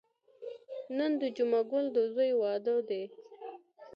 نن د جمعه ګل د ځوی واده دی.